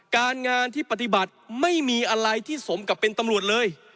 การงานที่ปฏิบัติไม่มีอะไรที่สมกับเป็นตำรวจเลย